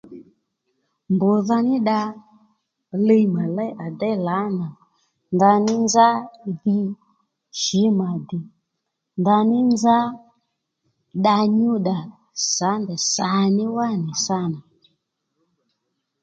Mbr̀dha ní dda liy mà léy à déy lǎnà ndaní nzá mm hhú shǐ mà dè ndaní nzá dda nyúddà sǎndè sàní wánì sǎnà